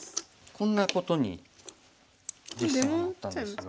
こんなことに実戦はなったんですが。